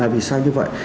vì sao như vậy